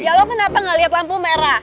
ya lo kenapa gak lihat lampu merah